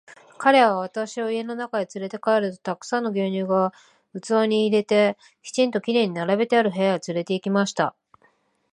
彼は私を家の中へつれて帰ると、たくさんの牛乳が器に入れて、きちんと綺麗に並べてある部屋へつれて行きました。